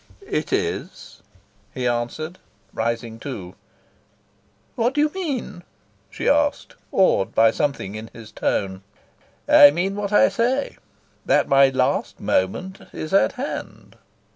"It is," he answered, rising too. "What do you mean?" she asked, awed by something in his tone. "I mean what I say: that my last moment is at hand."